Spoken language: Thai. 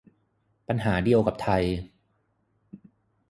ปัญหาเดียวกับไทย